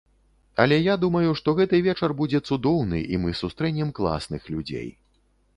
Але я думаю, што гэты вечар будзе цудоўны і мы сустрэнем класных людзей.